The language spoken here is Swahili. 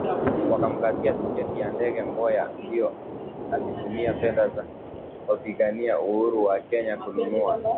Wakamkatia tiketi ya ndege Mboya ndio alitumia fedha za wapigania uhuru wa Kenya kununua